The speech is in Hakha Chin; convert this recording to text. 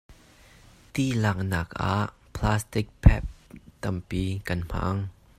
Ti laak naak ah plastik pep tampi kan hman.